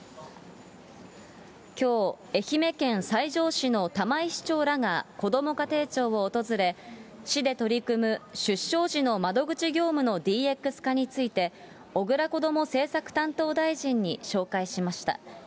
きょう、愛媛県西条市の玉井市長らがこども家庭庁を訪れ、市で取り組む出生時の窓口業務のＤＸ化について、小倉こども政策担当大臣に紹介しました。